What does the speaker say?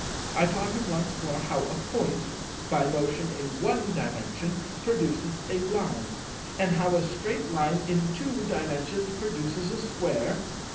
I taught him once more how a Point by motion in One Dimension produces a Line, and how a straight Line in Two Dimensions produces a Square.